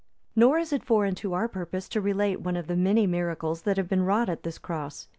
Nor is it foreign to our purpose to relate one of the many miracles that have been wrought at this cross.